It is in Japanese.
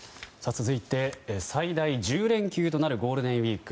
続いて最大１０連休となるゴールデンウィーク。